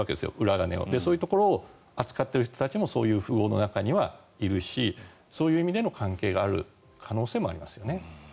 そういうところを扱っている人も富豪の中にはいるしそういう意味での関係がある可能性もありますよね。